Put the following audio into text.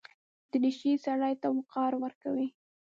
دریشي سړي ته وقار ورکوي.